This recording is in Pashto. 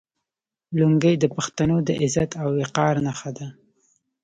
لونګۍ د پښتنو د عزت او وقار نښه ده.